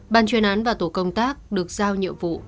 ban chuyên án và tổ công tác được giao nhiệm vụ